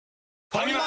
ファミマ！